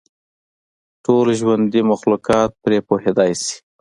ټول ژوندي مخلوقات پرې پوهېدلای شي.